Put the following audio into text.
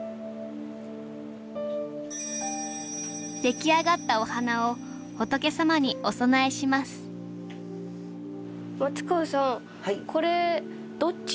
できあがったお花を仏様にお供えします松川さん